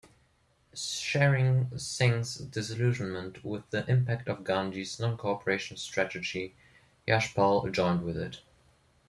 Sharing Singh's disillusionment with the impact of Gandhi's non-cooperation strategy, Yashpal joined with it.